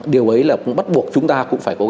điều ấy là cũng bắt buộc chúng ta cũng phải cố gắng